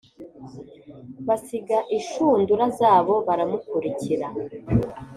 Basiga inshundura zabo baramukurikira